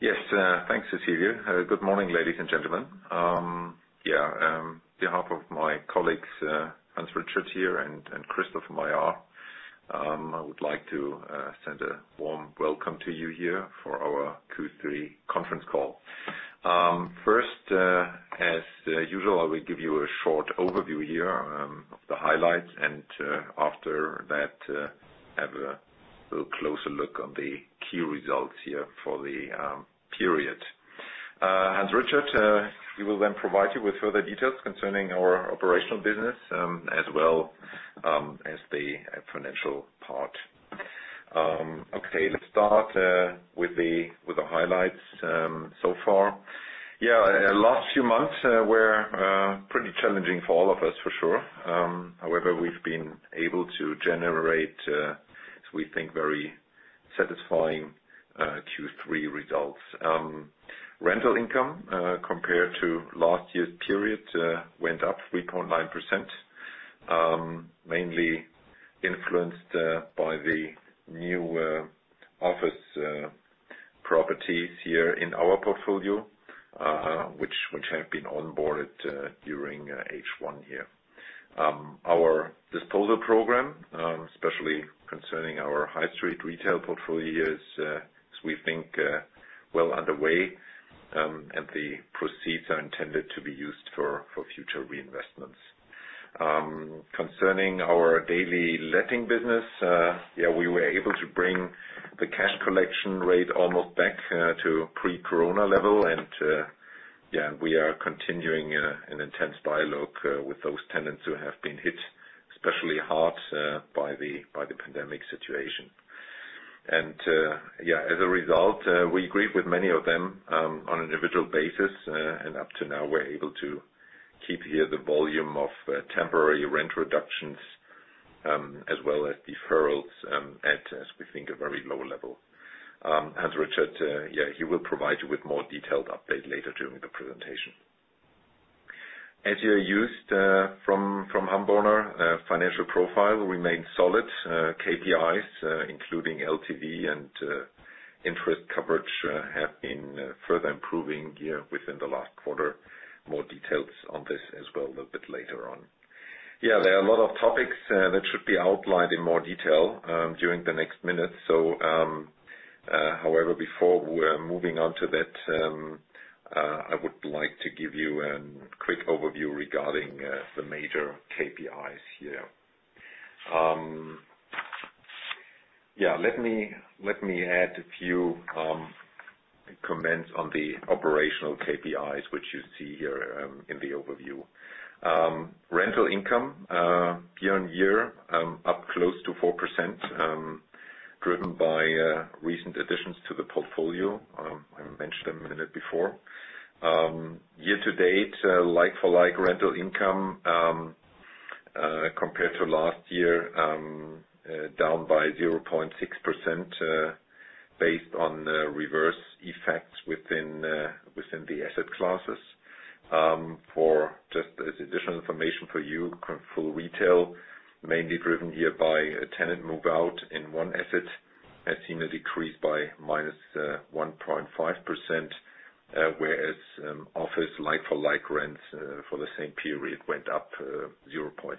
Yes. Thanks, Cecilia. Good morning, ladies and gentlemen. On behalf of my colleagues, Hans Richard Schmitz here and Christopher Meyer. I would like to send a warm welcome to you here for our Q3 Conference Call. First, as usual, I will give you a short overview here of the highlights, and after that, have a little closer look on the key results here for the period. Hans Richard, he will then provide you with further details concerning our operational business as well as the financial part. Okay, let's start with the highlights so far. Last few months were pretty challenging for all of us, for sure. However, we've been able to generate, as we think, very satisfying Q3 results. Rental income compared to last year's period went up 3.9%, mainly influenced by the new office properties here in our portfolio which have been onboarded during H1 here. Our disposal program, especially concerning our high street retail portfolio, is as we think well underway. The proceeds are intended to be used for future reinvestments. Concerning our daily letting business, we were able to bring the cash collection rate almost back to pre-COVID-19 level. We are continuing an intense dialogue with those tenants who have been hit especially hard by the pandemic situation. As a result, we agreed with many of them on individual basis. Up to now, we are able to keep here the volume of temporary rent reductions as well as deferrals at, as we think, a very low level. Hans Richard, he will provide you with more detailed update later during the presentation. As you are used from HAMBORNER, financial profile remain solid. KPIs including LTV and interest coverage have been further improving here within the last quarter. More details on this as well a little bit later on. There are a lot of topics that should be outlined in more detail during the next minute. However, before we're moving on to that, I would like to give you a quick overview regarding the major KPIs here. Let me add a few comments on the operational KPIs which you see here in the overview. Rental income year-on-year, up close to 4%, driven by recent additions to the portfolio. I mentioned a minute before. Year to date, like-for-like rental income compared to last year down by 0.6% based on reverse effects within the asset classes. For just as additional information for you, full retail mainly driven here by a tenant move out in one asset has seen a decrease by -1.5%, whereas office like-for-like rents for the same period went up 0.8%.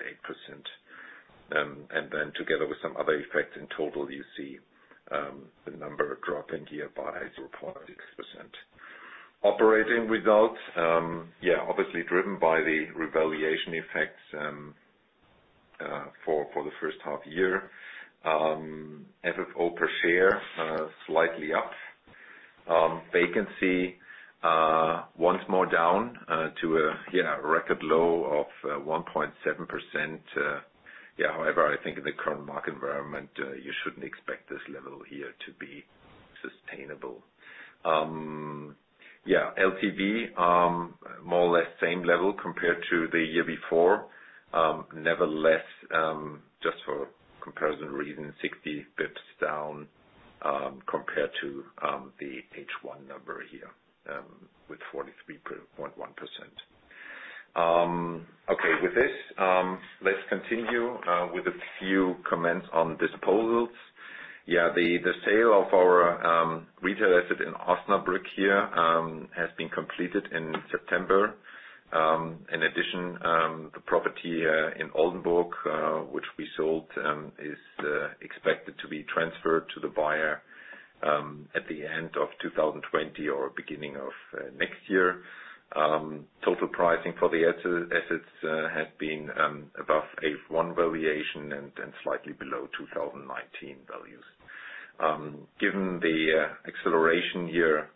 Together with some other effects in total you see the number dropping here by 0.6%. Operating results, obviously driven by the revaluation effects for the H1. FFO per share slightly up. Vacancy once more down to a record low of 1.7%. However, I think in the current market environment, you shouldn't expect this level here to be sustainable. LTV, more or less same level compared to the year before. Nevertheless, just for comparison reason, 60 basis points down compared to the H1 number here with 43.1%. Okay, with this, let's continue with a few comments on disposals. The sale of our retail asset in Osnabrück here has been completed in September. In addition, the property in Oldenburg which we sold is expected to be transferred to the buyer at the end of 2020 or beginning of next year. Total pricing for the assets has been above H1 valuation and slightly below 2019 values. Given the acceleration here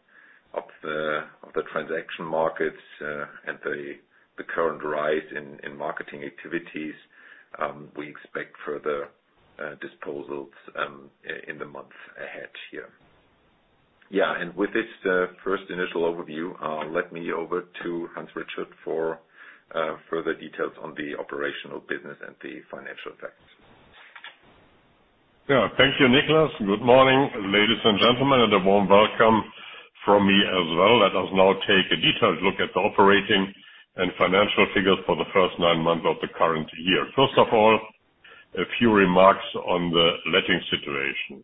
of the transaction markets and the current rise in marketing activities, we expect further disposals in the months ahead here. With this first initial overview, let me over to Hans Richard for further details on the operational business and the financial facts. Thank you, Niclas. Good morning, ladies and gentlemen, and a warm welcome from me as well. Let us now take a detailed look at the operating and financial figures for the first nine months of the current year. A few remarks on the letting situation.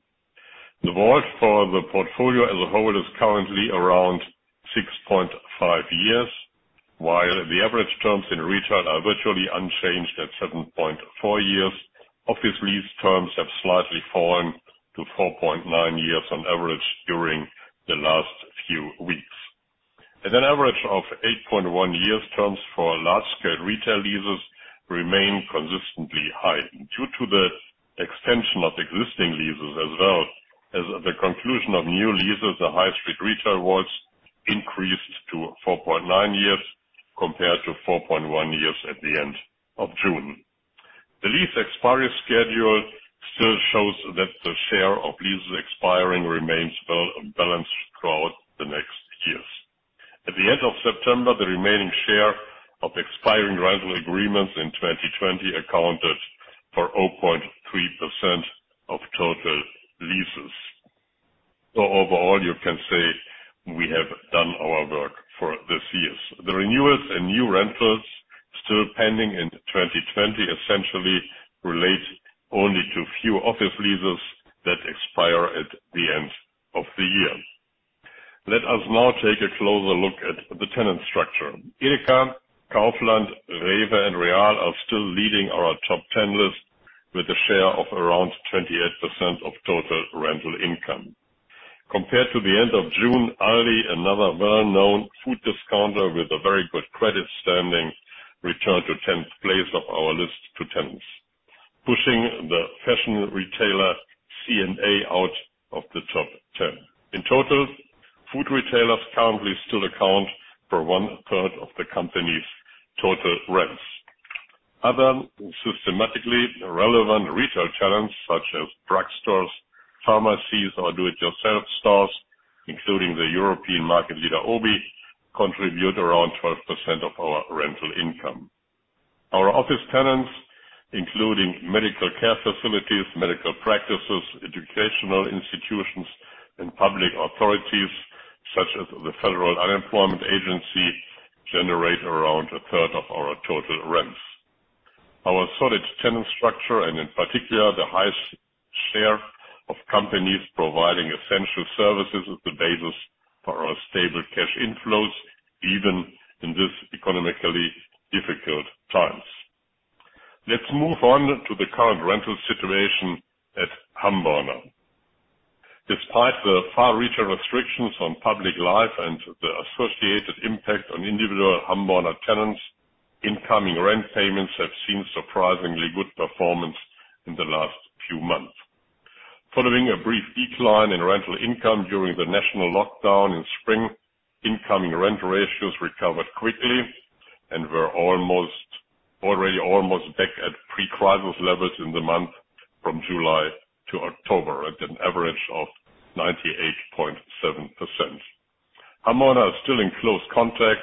The WALT for the portfolio as a whole is currently around 6.5 years, while the average terms in retail are virtually unchanged at 7.4 years. Office lease terms have slightly fallen to 4.9 years on average during the last few weeks. At an average of 8.1 years, terms for large-scale retail leases remain consistently high. Due to the extension of existing leases as well as the conclusion of new leases, the high street retail WALT increased to 4.9 years, compared to 4.1 years at the end of June. The lease expiry schedule still shows that the share of leases expiring remains well balanced throughout the next years. At the end of September, the remaining share of expiring rental agreements in 2020 accounted for 0.3% of total leases. Overall, you can say we have done our work for this year. The renewals and new rentals still pending in 2020 essentially relate only to few office leases that expire at the end of the year. Let us now take a closer look at the tenant structure. EDEKA, Kaufland, REWE, and Real are still leading our top 10 list with a share of around 28% of total rental income. Compared to the end of June, Aldi, another well-known food discounter with a very good credit standing, returned to 10th place of our list to tenants, pushing the fashion retailer C&A out of the top 10. In total, food retailers currently still account for one-third of the company's total rents. Other systematically relevant retail tenants, such as drugstores, pharmacies, or do-it-yourself stores, including the European market leader OBI, contribute around 12% of our rental income. Our office tenants, including medical care facilities, medical practices, educational institutions, and public authorities, such as the Federal Employment Agency, generate around a third of our total rents. Our solid tenant structure, and in particular, the highest share of companies providing essential services, is the basis for our stable cash inflows, even in this economically difficult times. Let's move on to the current rental situation at HAMBORNER. Despite the far-reaching restrictions on public life and the associated impact on individual HAMBORNER tenants, incoming rent payments have seen surprisingly good performance in the last few months. Following a brief decline in rental income during the national lockdown in spring, incoming rent ratios recovered quickly and were already almost back at pre-crisis levels in the month from July to October, at an average of 98.7%. HAMBORNER is still in close contact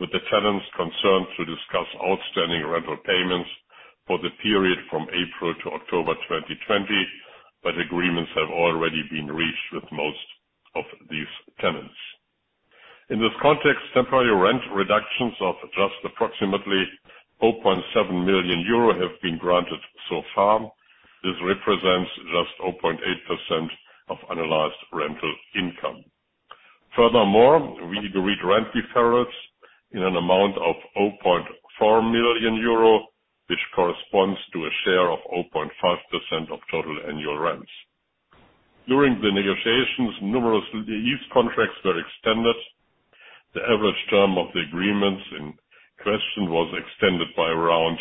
with the tenants concerned to discuss outstanding rental payments for the period from April to October 2020, but agreements have already been reached with most of these tenants. In this context, temporary rent reductions of just approximately 0.7 million euro have been granted so far. This represents just 0.8% of annualized rental income. Furthermore, we agreed rent deferrals in an amount of 0.4 million euro, which corresponds to a share of 0.5% of total annual rents. During the negotiations, numerous lease contracts were extended. The average term of the agreements in question was extended by around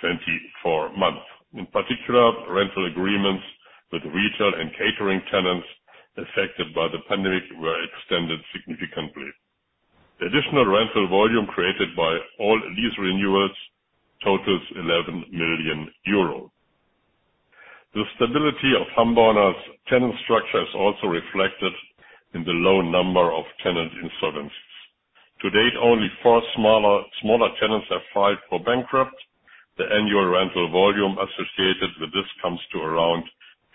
24 months. In particular, rental agreements with retail and catering tenants affected by the pandemic were extended significantly. The additional rental volume created by all lease renewals totals 11 million euros. The stability of HAMBORNER's tenant structure is also reflected in the low number of tenant insolvencies. To date, only four smaller tenants have filed for bankrupt. The annual rental volume associated with this comes to around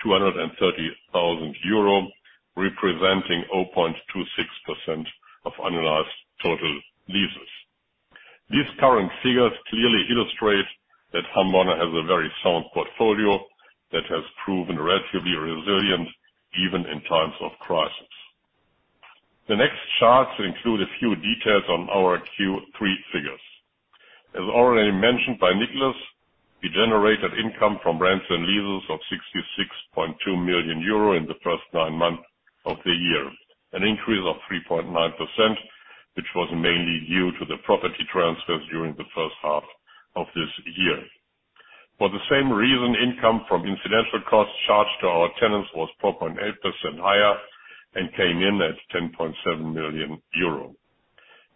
230,000 euro, representing 0.26% of annualized total leases. These current figures clearly illustrate that HAMBORNER has a very sound portfolio that has proven relatively resilient even in times of crisis. The next charts include a few details on our Q3 figures. As already mentioned by Niclas, we generated income from rents and leases of 66.2 million euro in the first nine months of the year, an increase of 3.9%, which was mainly due to the property transfers during the first half of this year. For the same reason, income from incidental costs charged to our tenants was 4.8% higher and came in at 10.7 million euro.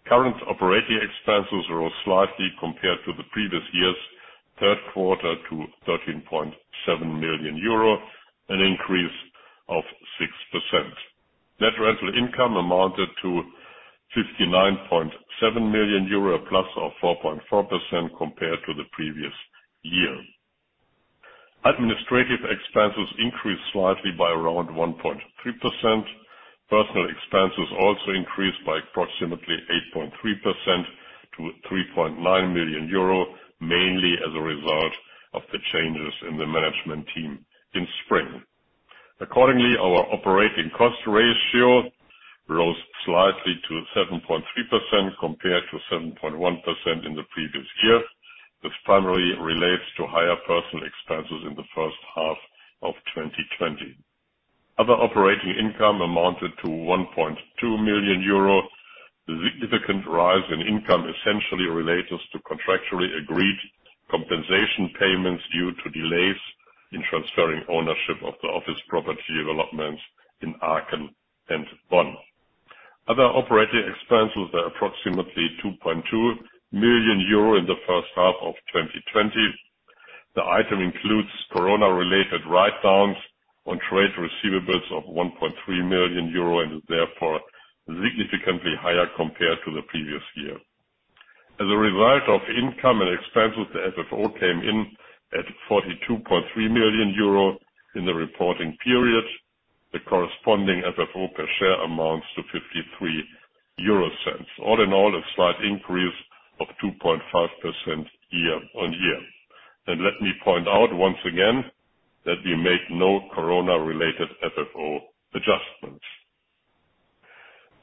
Current operating expenses rose slightly compared to the previous year's third quarter to 13.7 million euro, an increase of 6%. Net rental income amounted to 59.7 million euro, a plus of 4.4% compared to the previous year. Administrative expenses increased slightly by around 1.3%. Personal expenses also increased by approximately 8.3% to 3.9 million euro, mainly as a result of the changes in the management team in spring. Accordingly, our operating cost ratio rose slightly to 7.3%, compared to 7.1% in the previous year. This primarily relates to higher personnel expenses in the first half of 2020. Other operating income amounted to 1.2 million euro. The significant rise in income essentially relates to contractually agreed compensation payments due to delays in transferring ownership of the office property developments in Aachen and Bonn. Other operating expenses are approximately 2.2 million euro in the first half of 2020. The item includes corona-related write-downs on trade receivables of 1.3 million euro and is therefore significantly higher compared to the previous year. As a result of income and expenses, the FFO came in at 42.3 million euro in the reporting period. The corresponding FFO per share amounts to 0.53. All in all, a slight increase of 2.5% year-on-year. Let me point out once again that we make no corona-related FFO adjustments.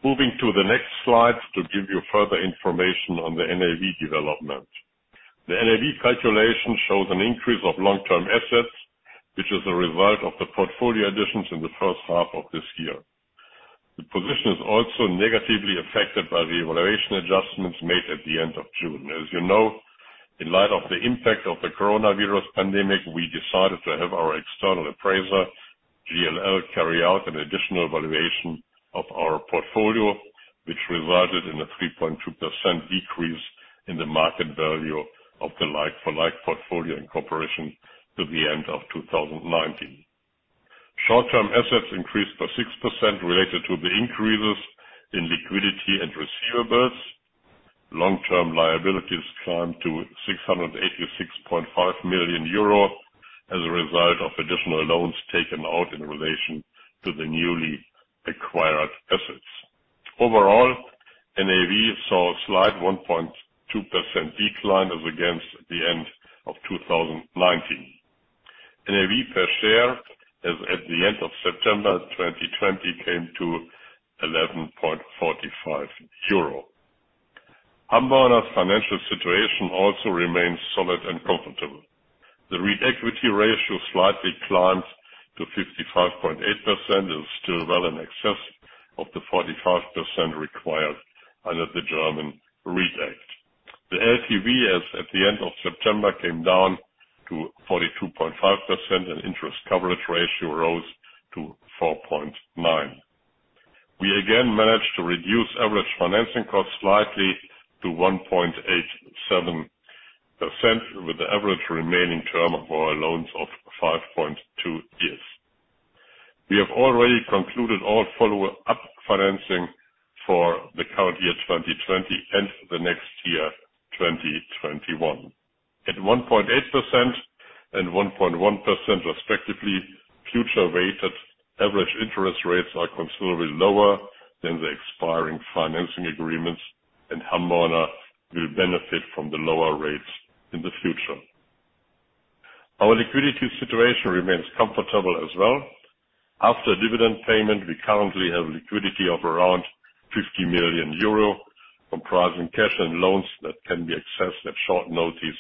Moving to the next slide to give you further information on the NAV development. The NAV calculation shows an increase of long-term assets, which is a result of the portfolio additions in the first half of this year. The position is also negatively affected by the evaluation adjustments made at the end of June. As you know, in light of the impact of the coronavirus pandemic, we decided to have our external appraiser, GLL, carry out an additional valuation of our portfolio, which resulted in a 3.2% decrease in the market value of the like-for-like portfolio in comparison to the end of 2019. Short-term assets increased by 6% related to the increases in liquidity and receivables. Long-term liabilities climbed to 686.5 million euro as a result of additional loans taken out in relation to the newly acquired assets. Overall, NAV saw a slight 1.2% decline as against the end of 2019. NAV per share as at the end of September 2020 came to EUR 11.45. HAMBORNER's financial situation also remains solid and comfortable. The REIT equity ratio slightly climbed to 55.8%, and is still well in excess of the 45% required under the German REIT Act. The LTV as at the end of September came down to 42.5%, and interest coverage ratio rose to 4.9. We again managed to reduce average financing costs slightly to 1.87%, with the average remaining term of our loans of 5.2 years. We have already concluded all follow-up financing for the current year 2020 and for the next year, 2021. At 1.8% and 1.1% respectively, future weighted average interest rates are considerably lower than the expiring financing agreements, and HAMBORNER will benefit from the lower rates in the future. Our liquidity situation remains comfortable as well. After dividend payment, we currently have liquidity of around 50 million euro, comprising cash and loans that can be accessed at short notice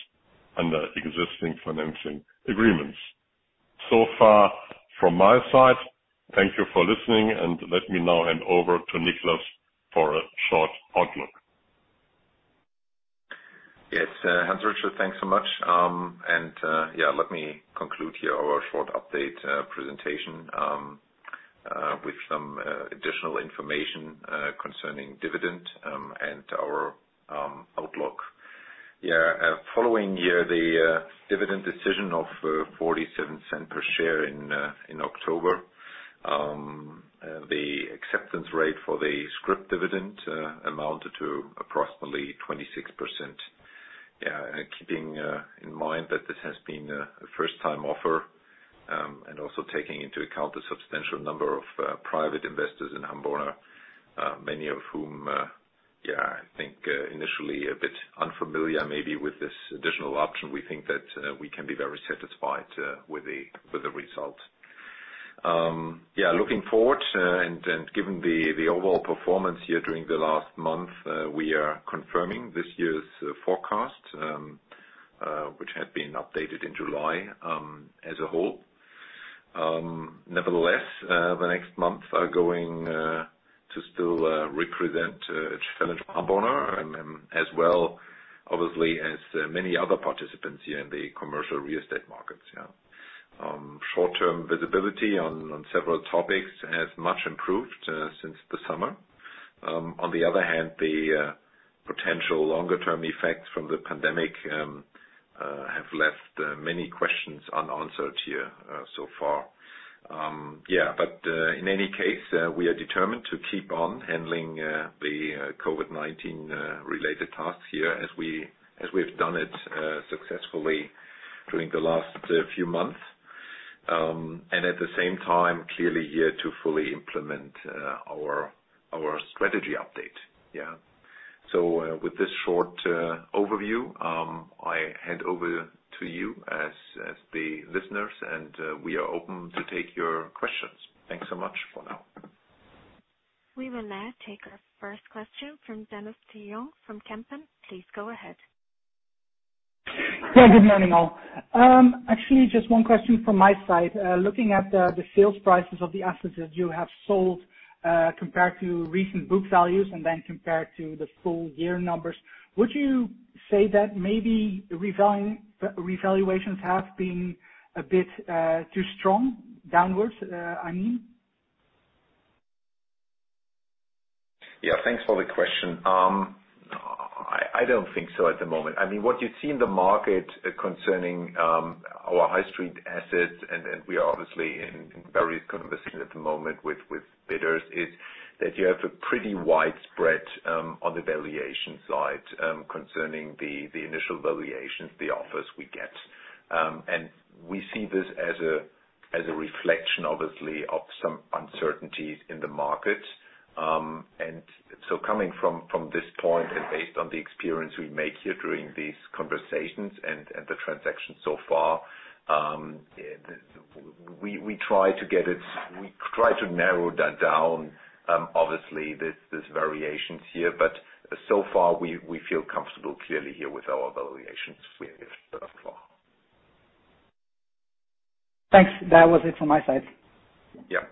under existing financing agreements. Far from my side. Thank you for listening, and let me now hand over to Niclas for a short outlook. Yes. Hans Richard, thanks so much. Let me conclude here our short update presentation with some additional information concerning dividend and our outlook. Following the dividend decision of 0.47 per share in October. The acceptance rate for the scrip dividend amounted to approximately 26%. Keeping in mind that this has been a first-time offer, and also taking into account the substantial number of private investors in HAMBORNER, many of whom I think initially a bit unfamiliar maybe with this additional option. We think that we can be very satisfied with the result. Looking forward and given the overall performance here during the last month, we are confirming this year's forecast which had been updated in July as a whole. The next month are going to still represent a challenge for HAMBORNER and as well, obviously as many other participants here in the commercial real estate markets. Short-term visibility on several topics has much improved since the summer. On the other hand, the potential longer-term effects from the pandemic have left many questions unanswered here so far. In any case, we are determined to keep on handling the COVID-19 related tasks here as we have done it successfully during the last few months. At the same time, clearly here to fully implement our strategy update. With this short overview, I hand over to you as the listeners, and we are open to take your questions. Thanks so much for now. We will now take our first question from Dennis de Jong from Kempen. Please go ahead. Yeah. Good morning, all. Actually, just one question from my side. Looking at the sales prices of the assets that you have sold, compared to recent book values and then compared to the full year numbers, would you say that maybe revaluations have been a bit too strong downwards, I mean? Yeah, thanks for the question. I don't think so at the moment. What you see in the market concerning our high street assets, and we are obviously in various conversations at the moment with bidders, is that you have a pretty wide spread on the valuation side concerning the initial valuations, the offers we get. We see this as a reflection, obviously, of some uncertainties in the market. Coming from this point and based on the experience we make here during these conversations and the transactions so far, we try to narrow that down. Obviously, there's variations here, but so far we feel comfortable clearly here with our valuations we have so far. Thanks. That was it from my side. Yeah.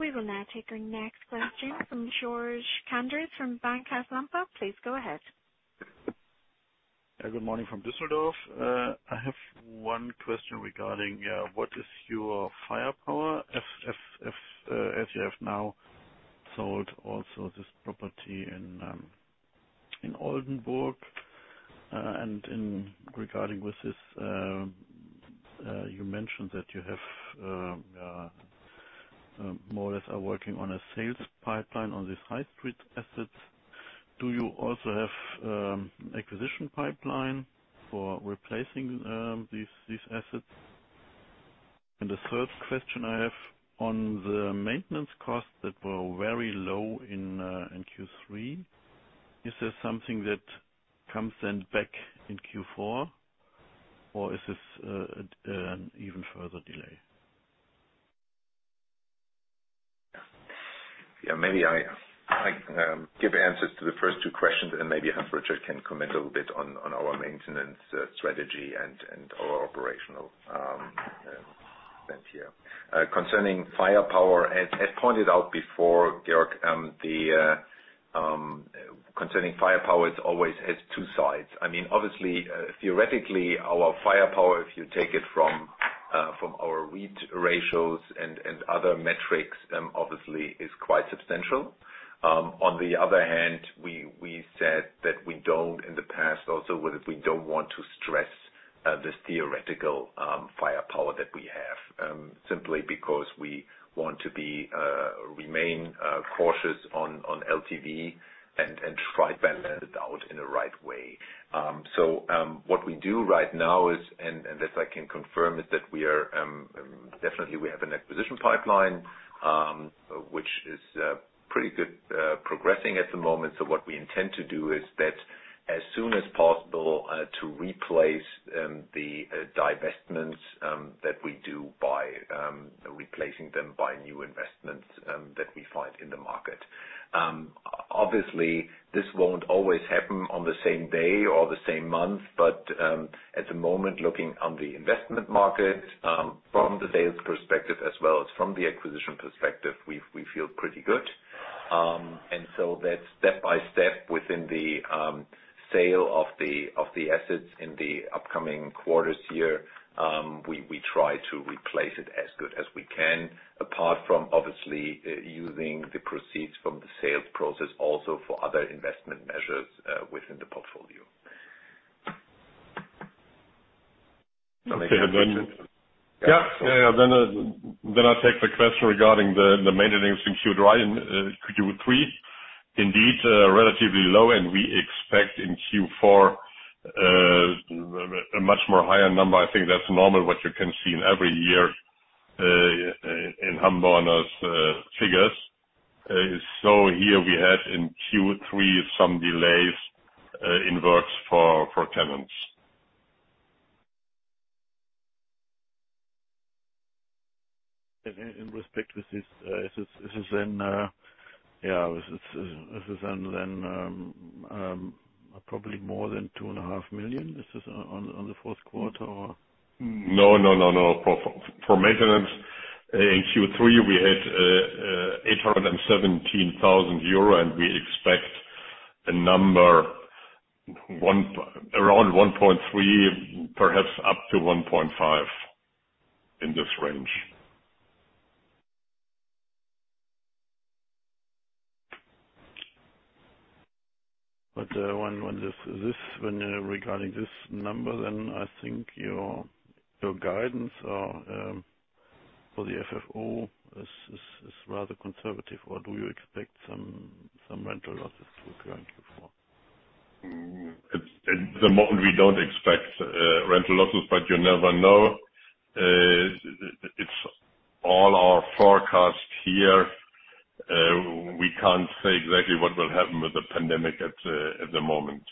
We will now take our next question from Georg Kanders from Bankhaus Lampe. Please go ahead. Good morning from Düsseldorf. I have one question regarding what is your firepower as you have now sold also this property in Oldenburg. Regarding with this, you mentioned that you have more or less are working on a sales pipeline on these high street assets. Do you also have acquisition pipeline for replacing these assets? The third question I have on the maintenance costs that were very low in Q3, is this something that comes then back in Q4, or is this an even further delay? Yeah, maybe I give answers to the first two questions and maybe Hans Richard can comment a little bit on our maintenance strategy and our operational spend here. Concerning firepower, as pointed out before, Georg, concerning firepower, it always has two sides. Obviously, theoretically, our firepower, if you take it from our REIT ratios and other metrics, obviously is quite substantial. On the other hand, we said that we don't in the past also, that we don't want to stress this theoretical firepower that we have. Simply because we want to remain cautious on LTV and try balance it out in the right way. What we do right now is, and this I can confirm, is that definitely we have an acquisition pipeline, which is pretty good progressing at the moment. What we intend to do is that as soon as possible to replace the divestments that we do by replacing them by new investments that we find in the market. Obviously, this won't always happen on the same day or the same month, but at the moment, looking on the investment market from the sales perspective as well as from the acquisition perspective, we feel pretty good. That step by step within the sale of the assets in the upcoming quarters here we try to replace it as good as we can. Apart from obviously using the proceeds from the sales process also for other investment measures within the portfolio. Yeah. I take the question regarding the maintenance in Q3. Indeed, relatively low and we expect in Q4 a much more higher number. I think that's normal what you can see in every year in HAMBORNER's figures. Here we had in Q3 some delays in works for tenants. In respect with this, is this then probably more than 2.5 Million on the fourth quarter or? No, for maintenance in Q3, we had 817,000 euro and we expect a number around 1.3 million, perhaps up to 1.5 million in this range. When regarding this number, then I think your guidance or the FFO is rather conservative, or do you expect some rental losses to occur in Q4? At the moment, we don't expect rental losses. You never know. It's all our forecast here. We can't say exactly what will happen with the pandemic at the moment.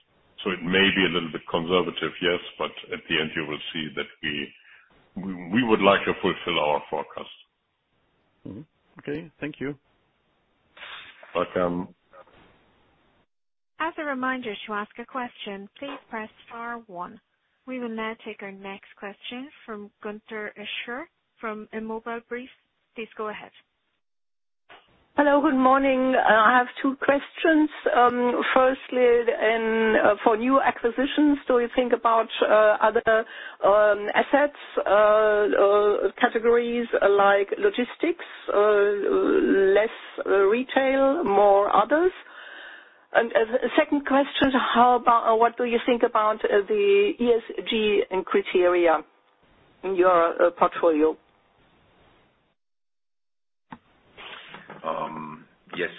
It may be a little bit conservative, yes, but at the end, you will see that we would like to fulfill our forecast. Okay. Thank you. Welcome. As a reminder, to ask a question, please press star one. We will now take our next question from Gudrun Escher from Der Immobilienbrief. Please go ahead. Hello, good morning. I have two questions. Firstly, for new acquisitions, do you think about other assets categories like logistics, less retail, more others? Second question, what do you think about the ESG and criteria in your portfolio? Yes,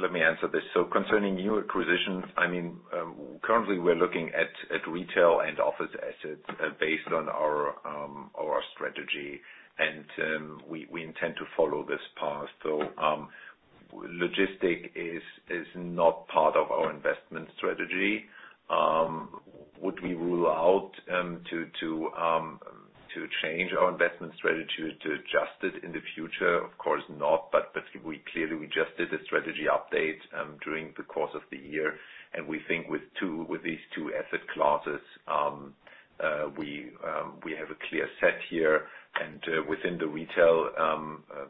let me answer this. Concerning new acquisitions, currently we're looking at retail and office assets based on our strategy. We intend to follow this path. Logistics is not part of our investment strategy. Would we rule out to change our investment strategy to adjust it in the future? Of course not, we clearly just did a strategy update during the course of the year, and we think with these two asset classes, we have a clear set here. Within the retail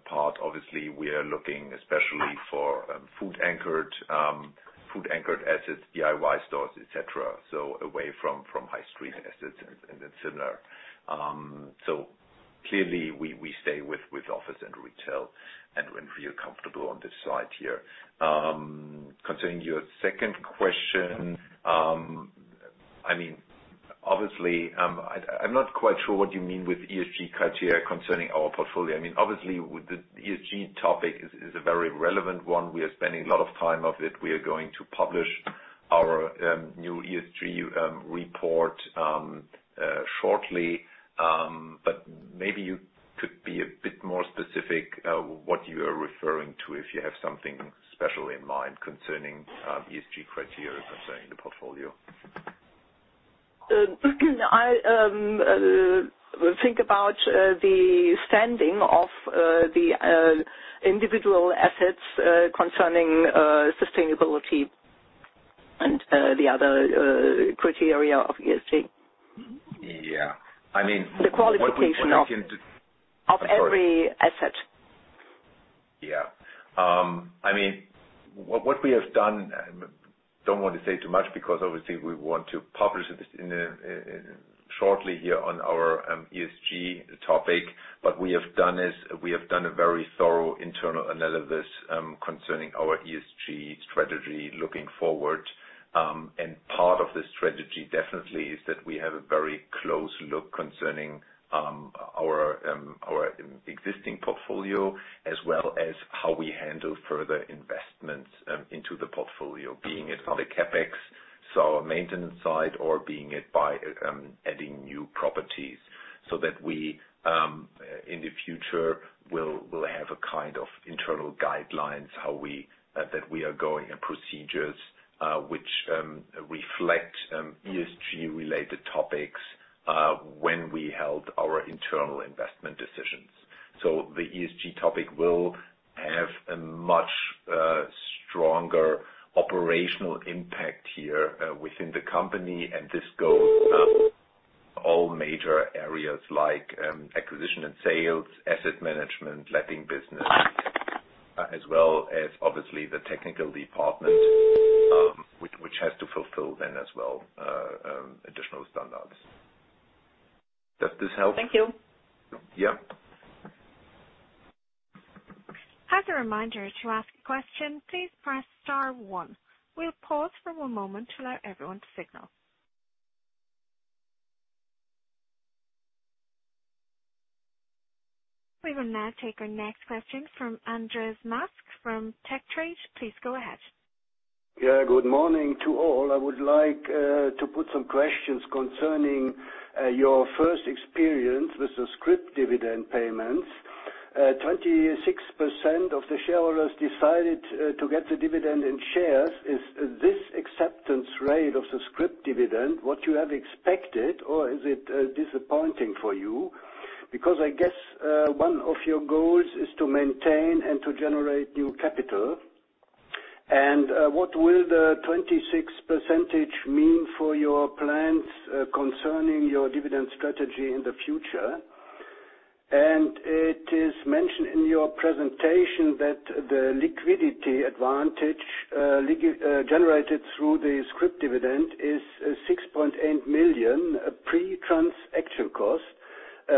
part, obviously, we are looking especially for food-anchored assets, DIY stores, et cetera, so away from high street assets and then similar. Clearly we stay with office and retail and we feel comfortable on this side here. Concerning your second question, obviously, I'm not quite sure what you mean with ESG criteria concerning our portfolio. The ESG topic is a very relevant one. We are spending a lot of time on it. We are going to publish our new ESG report shortly. Maybe you could be a bit more specific what you are referring to if you have something special in mind concerning ESG criteria concerning the portfolio. I think about the standing of the individual assets concerning sustainability and the other criteria of ESG. Yeah. The qualification of every asset. Yeah. What we have done, I don't want to say too much because obviously we want to publish this shortly here on our ESG topic. What we have done is we have done a very thorough internal analysis concerning our ESG strategy looking forward. Part of the strategy definitely is that we have a very close look concerning our existing portfolio as well as how we handle further investments into the portfolio, being it on the CapEx, so maintenance side or being it by adding new properties so that we, in the future, will have a kind of internal guidelines that we are going and procedures, which reflect ESG related topics, when we held our internal investment decisions. The ESG topic will have a much stronger operational impact here within the company. This goes all major areas like acquisition and sales, asset management, letting business, as well as obviously the technical department which has to fulfill then as well additional standards. Does this help? Thank you. Yeah. Further reminder to ask a question press star one, we will pause for a moment to let everyone have signal. We will now take our next question from Andreas Pläsier from Warburg Research. Please go ahead. Yeah. Good morning to all. I would like to put some questions concerning your first experience with the scrip dividend payments. 26% of the shareholders decided to get the dividend in shares. Is this acceptance rate of the scrip dividend what you have expected, or is it disappointing for you? I guess one of your goals is to maintain and to generate new capital. What will the 26% mean for your plans concerning your dividend strategy in the future? It is mentioned in your presentation that the liquidity advantage generated through the scrip dividend is 6.8 million pre-transaction cost.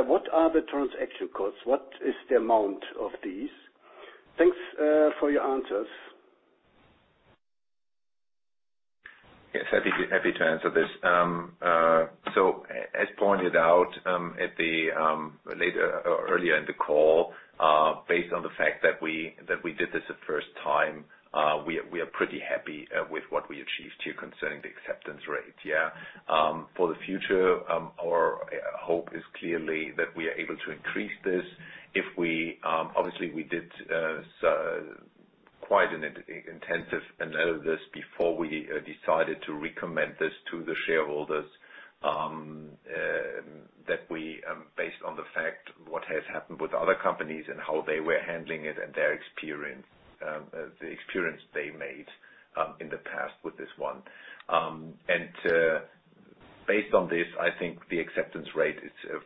What are the transaction costs? What is the amount of these? Thanks for your answers. Yes, happy to answer this. As pointed out earlier in the call, based on the fact that we did this the first time, we are pretty happy with what we achieved here concerning the acceptance rate. For the future, our hope is clearly that we are able to increase this. Obviously, we did quite an intensive analysis before we decided to recommend this to the shareholders, based on the fact what has happened with other companies and how they were handling it and the experience they made in the past with this one. Based on this, I think the acceptance rate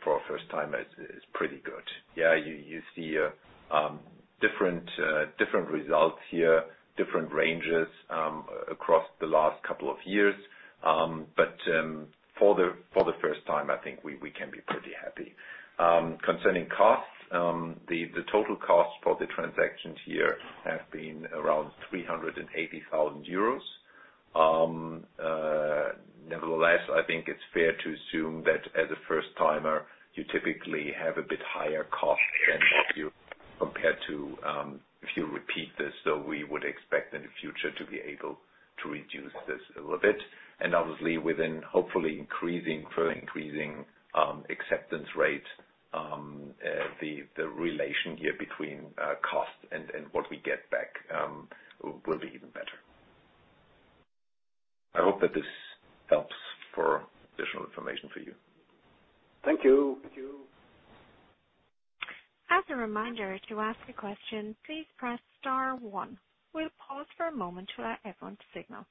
for a first time is pretty good. You see different results here, different ranges across the last couple of years. For the first time, I think we can be pretty happy. Concerning costs, the total costs for the transactions here have been around 380,000 euros. Nevertheless, I think it's fair to assume that as a first-timer, you typically have a bit higher cost compared to if you repeat this. We would expect in the future to be able to reduce this a little bit, and obviously within hopefully increasing acceptance rate, the relation here between cost and what we get back will be even better. I hope that this helps for additional information for you. Thank you. As a reminder, to ask a question, please press star one. We'll pause for a moment to allow everyone to signal.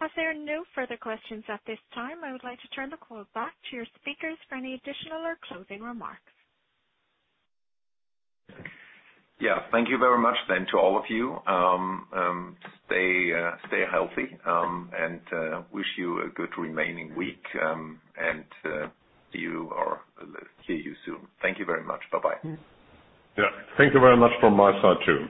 As there are no further questions at this time, I would like to turn the call back to your speakers for any additional or closing remarks. Yeah. Thank you very much to all of you. Stay healthy. Wish you a good remaining week. See you or hear you soon. Thank you very much. Bye-bye. Yeah. Thank you very much from my side, too.